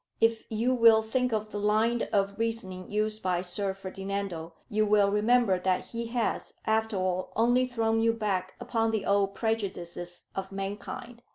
If you will think of the line of reasoning used by Sir Ferdinando, you will remember that he has, after all, only thrown you back upon the old prejudices of mankind.